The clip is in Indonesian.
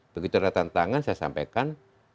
begitu ada tantangan saya sampaikan